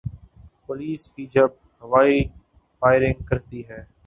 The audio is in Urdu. پولیس بھی جب ہوائی فائرنگ کرتی ہے۔